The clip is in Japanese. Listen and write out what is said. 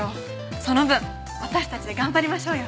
その分私たちで頑張りましょうよ。